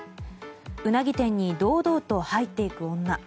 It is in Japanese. ウナギ店に堂々と入っていく女。